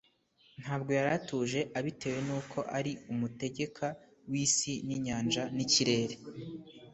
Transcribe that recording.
ntabwo yari atuje abitewe n’uko ari “umutegeka w’isi n’inyanja n’ikirere